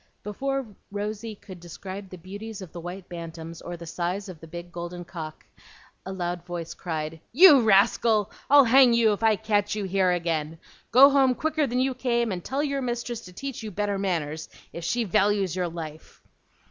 Before Rosy could describe the beauties of the white bantams or the size of the big golden cock, a loud voice cried, "You rascal! I'll hang you if I catch you here again. Go home quicker than you came, and tell your mistress to teach you better manners, if she values your life."